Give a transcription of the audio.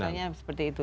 sebenarnya seperti itu